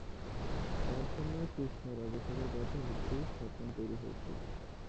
তাঁর সময়ে কৃষ্ণ রাজা সাগর বাঁধের ভিত্তি স্থাপন তৈরি হয়েছিল।